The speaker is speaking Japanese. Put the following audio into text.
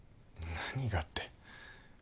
何がって。